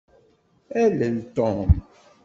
Alel Tom.